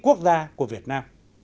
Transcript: quốc gia của việt nam